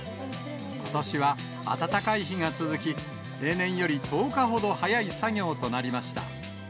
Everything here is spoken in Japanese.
ことしは暖かい日が続き、例年より１０日ほど早い作業となりました。